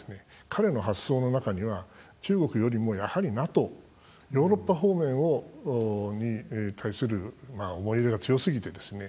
彼の発想の中には中国よりも、やはりＮＡＴＯヨーロッパ方面に対する思い入れが強すぎてですね